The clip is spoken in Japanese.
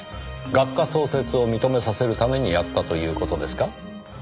学科創設を認めさせるためにやったという事ですか？